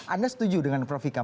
anda setuju dengan prof ikam